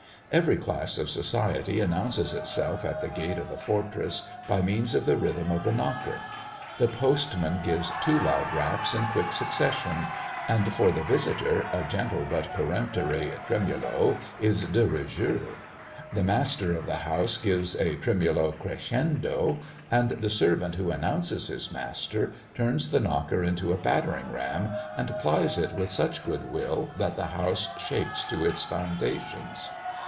Every class of society announces itself at the gate of the fortress by means of the rythm of the knocker. The postman gives two loud raps in quick succession; and for the visitor a gentle but peremptory tremolo is de rigueur. The master of the house gives a tremolo crescendo, and the servant who announces his master, turns the knocker into a battering ram, and plies it with such goodwill that the house shakes to its foundations.